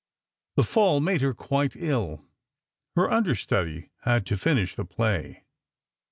The fall made her quite ill; her understudy had to finish the play.